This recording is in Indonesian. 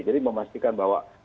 jadi memastikan bahwa